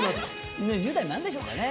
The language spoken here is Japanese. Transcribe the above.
１０代何でしょうかね。